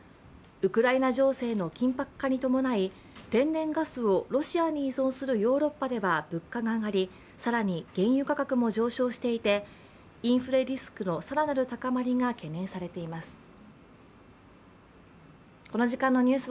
ウクライナ情勢の緊迫化に伴い天然ガスをロシアに依存するヨーロッパでは物価が上がり更に、原油価格も上昇していてインフレリスクの更なる高まりが懸念されています。